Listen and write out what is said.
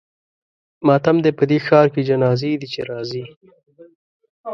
ماتم دی په دې ښار کې جنازې دي چې راځي.